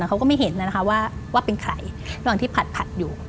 เขาก็ไม่เห็นนะคะว่าเป็นใครระหว่างที่ผัดอยู่